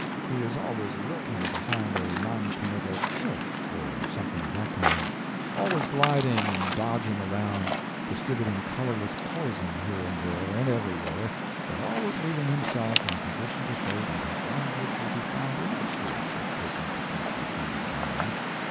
He is always lurking behind a non committal "if" or something of that kind; always gliding and dodging around, distributing colorless poison here and there and everywhere, but always leaving himself in a position to say that his language will be found innocuous if taken to pieces and examined.